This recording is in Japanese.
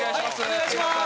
お願いします！